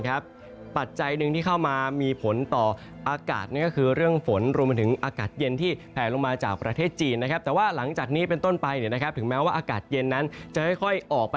อ่านคำเตือนในฉลากก่อนใช้ยา